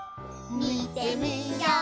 みてみよう！